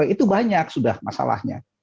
itu banyak sudah masalahnya